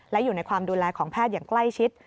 และอยู่ในความดูแลของแพทย์อย่างใกล้ชิด